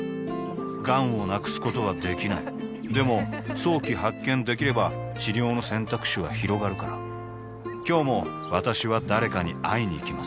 がんを無くすことはできないでも早期発見できれば治療の選択肢はひろがるから今日も私は誰かに会いにいきます